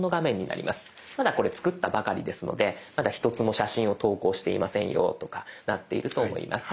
まだこれ作ったばかりですのでまだ１つも写真を投稿していませんよとかなっていると思います。